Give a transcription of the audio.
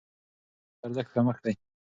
تورم د اسعارو د ارزښت کمښت دی.